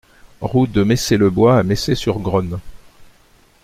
Route de Messey-le-Bois à Messey-sur-Grosne